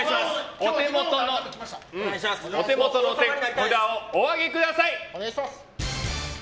お手元の札をお上げください！